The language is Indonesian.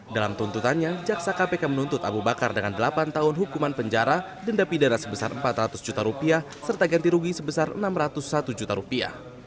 dalam tuntutannya jaksa kpk menuntut abu bakar dengan delapan tahun hukuman penjara denda pidana sebesar empat ratus juta rupiah serta ganti rugi sebesar enam ratus satu juta rupiah